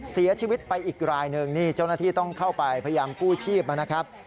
เสียชีวิตไปอีกรายหนึ่งนี่เจ้าหน้าที่ต้องเข้าไปพยายามกู้ชีพนะครับ